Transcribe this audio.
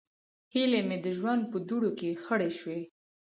هیلې مې د ژوند په دوړو کې ښخې شوې.